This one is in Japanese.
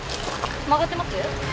曲がってます？